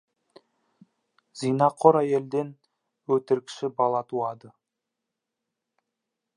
Зинақор әйелден өтірікші бала туады.